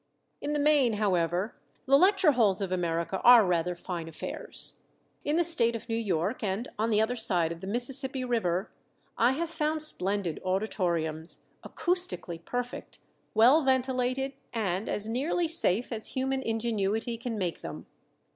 _ In the main, however, the lecture halls of America are rather fine affairs. In the State of New York and on the other side of the Mississippi River I have found splendid auditoriums, acoustically perfect, well ventilated, and as nearly safe as human ingenuity can make them.